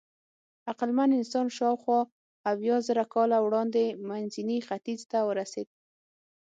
عقلمن انسان شاوخوا اویازره کاله وړاندې منځني ختیځ ته ورسېد.